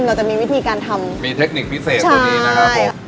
เราจะมีวิธีการทำมีเทคนิคพิเศษตัวนี้นะครับผม